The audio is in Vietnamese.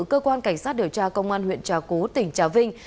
cơ quan cảnh sát điều tra công an huyện trà cú tỉnh trà vinh